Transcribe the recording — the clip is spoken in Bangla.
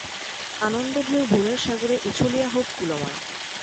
আনন্দ-ঢেউ ভুলের সাগরে উছলিয়া হোক কূলময়।